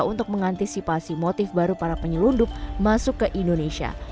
untuk mengantisipasi motif baru para penyelundup masuk ke indonesia